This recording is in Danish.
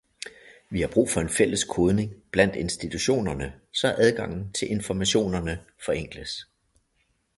Vi har brug for en fælles kodning blandt institutionerne, så adgangen til informationerne forenkles.